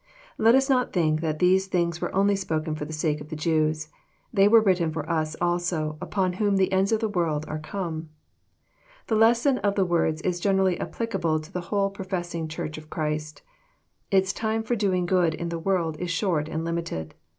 Let us not think that these things were only spoken for the sake of the Jews. They were written for us also, upon whom the ends of the world are come. The lesson of the words is generally applicable to the whole professing Church of Christ. Its time for doing good in the world is short and limited.